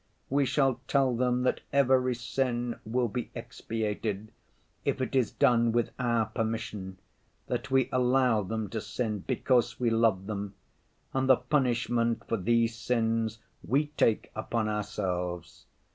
We shall tell them that every sin will be expiated, if it is done with our permission, that we allow them to sin because we love them, and the punishment for these sins we take upon ourselves.